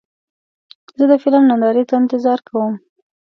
زه د فلم نندارې ته انتظار کوم.